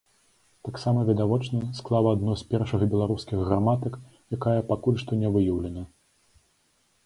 Таксама, відавочна, склаў адну з першых беларускіх граматык, якая пакуль што не выяўлена.